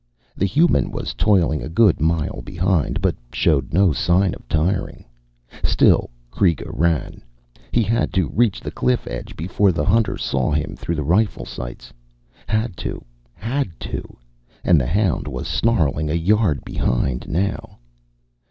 The human was toiling a good mile behind, but showed no sign of tiring. Still Kreega ran. He had to reach the cliff edge before the hunter saw him through his rifle sights had to, had to, and the hound was snarling a yard behind now.